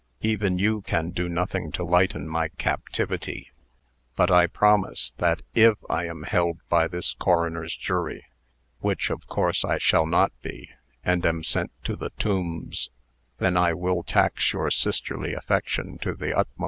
Even you can do nothing to lighten my captivity. But I promise, that if I am held by this coroner's jury which, of course, I shall not be and am sent to the Tombs, then I will tax your sisterly affection to the utmost."